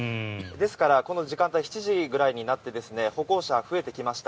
ですからこの時間帯７時ぐらいになって歩行者が増えてきました。